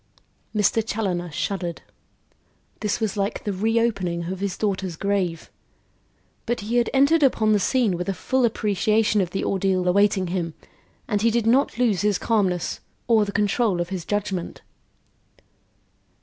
Mr. Challoner shuddered. This was like the reopening of his daughter's grave. But he had entered upon the scene with a full appreciation of the ordeal awaiting him and he did not lose his calmness, or the control of his judgment.